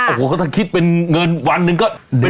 โอ้โหก็ถ้าคิดเป็นเงินวันหนึ่งก็